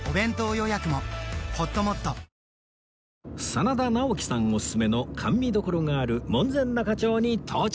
真田ナオキさんおすすめの甘味処がある門前仲町に到着